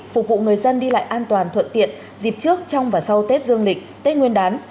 phục vụ người dân đi lại an toàn thuận tiện dịp trước trong và sau tết dương lịch tết nguyên đán